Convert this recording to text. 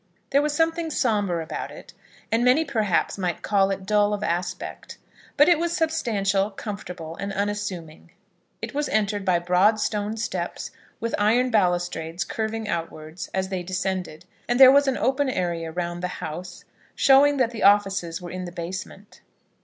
There was something sombre about it, and many perhaps might call it dull of aspect; but it was substantial, comfortable, and unassuming. It was entered by broad stone steps, with iron balustrades curving outwards as they descended, and there was an open area round the house, showing that the offices were in the basement.